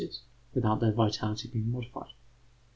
without their vitality being modified.